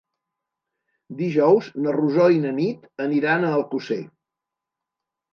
Dijous na Rosó i na Nit aniran a Alcosser.